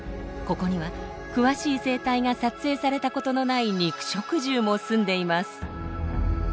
ここには詳しい生態が撮影されたことのない肉食獣もすんでいます。